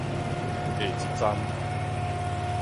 下一站